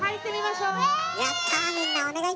やったみんなお願い！